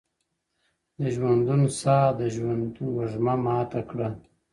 • د ژوندون ساه د ژوند وږمه ماته كړه ـ